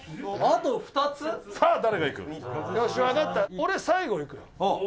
俺、最後いくよ。